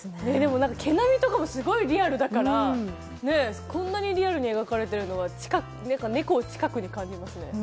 けど毛並みのかもすごくリアルなので、こんなにリアルに描かれているのはネコを近くに感じますね。